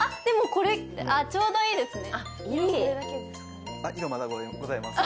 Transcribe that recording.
これ、ちょうどいいですね。